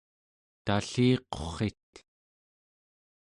talliqu͡rrit